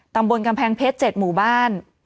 ตำบลกำแพงเพชร๗หมู่บ้าน